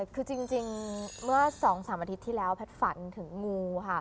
คือจริงเมื่อ๒๓อาทิตย์ที่แล้วแพทย์ฝันถึงงูค่ะ